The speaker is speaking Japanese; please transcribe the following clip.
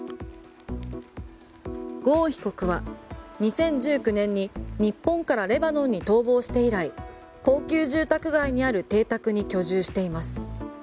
ゴーン被告は２０１９年に日本からレバノンに逃亡して以来高級住宅街にある邸宅に居住しています。